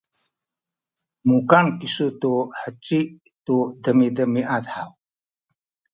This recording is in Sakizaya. mukan kisu tu heci tu demiamiad haw?